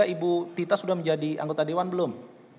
dua ribu dua puluh tiga ibu tita sudah menjadi anggota dewan belum